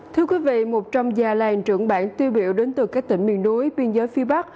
thưa quý vị một trong gia làng trưởng bản tuy biểu đến từ các tỉnh miền núi biên giới phía bắc